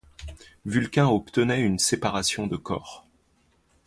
Vulcain obtenait une séparation de corps.